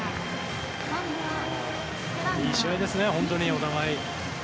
いい試合ですね、本当にお互い。